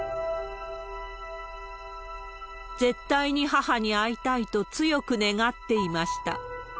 絶対に母に会いたいと強く願っていました。